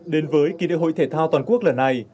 đến với kỳ đại hội thể thao toàn quốc lần này